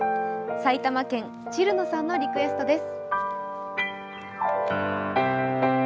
埼玉県・チルノさんのリクエストです。